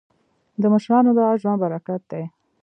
د مشرانو دعا د ژوند برکت دی.